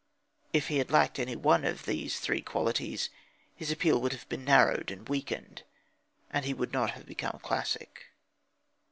If he had lacked any one of these three qualities, his appeal would have been narrowed and weakened, and he would not have become a classic.